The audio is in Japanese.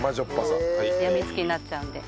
病み付きになっちゃうんで。